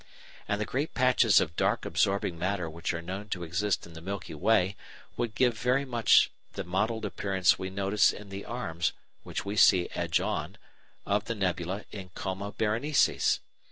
And the great patches of dark absorbing matter which are known to exist in the Milky Way (see Fig. 22) would give very much the mottled appearance we notice in the arms (which we see edge on) of the nebula in Coma Berenices.